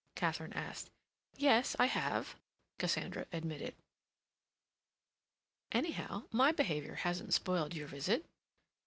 Katharine asked. "Yes, I have," Cassandra admitted. "Anyhow, my behavior hasn't spoiled your visit."